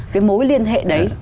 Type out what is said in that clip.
cái mối liên hệ đấy